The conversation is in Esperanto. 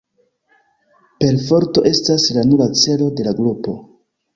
Perforto estas la nura celo de la grupo.